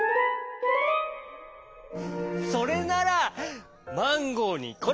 それならマンゴーにこれをあげる！